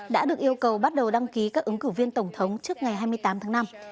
đã được yêu cầu bắt đầu đăng ký các ứng cử viên tổng thống trước ngày hai mươi tám tháng năm